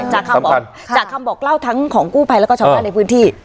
จากคำบอกเล่าทั้งของกู้ภัยแล้วก็ชาวบ้านในพื้นที่